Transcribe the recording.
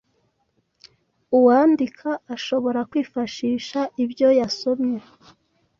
Uwandika ashobora kwifashisha ibyo yasomye